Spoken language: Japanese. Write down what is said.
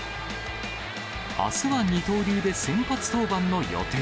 あすは二刀流で先発登板の予定。